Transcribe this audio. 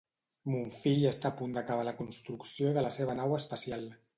Mon fill està a punt d'acabar la construcció de la seva nau espacial.